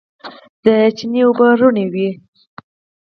د چينې اوبه رڼې دي.